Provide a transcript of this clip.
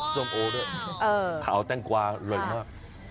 ส้มโอด้วยขาวแต้งกวาเลยมาก